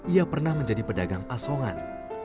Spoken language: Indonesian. ia pernah menjadi pedagang asongan